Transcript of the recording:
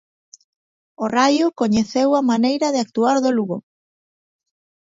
O Raio coñeceu a maneira de actuar do Lugo.